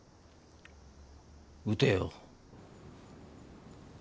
撃てよ。